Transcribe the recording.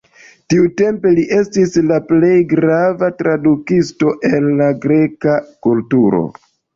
Tiutempe li estis la plej grava tradukisto el la greka kulturo.